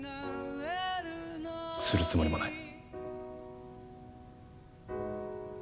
するつもりもない。